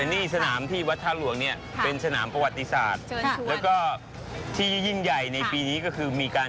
พี่นายเปิดตลาดแล้วไม่เปิดตลาดไม่ได้แล้วที่มีการราชการ